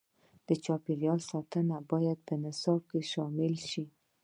د چاپیریال ساتنه باید په نصاب کې شامل شي.